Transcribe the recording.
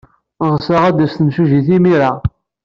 Ɣseɣ ad d-tas temsujjit imir-a.